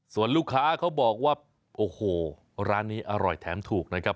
ส่วนลูกค้าเขาบอกว่าโอ้โหร้านนี้อร่อยแถมถูกนะครับ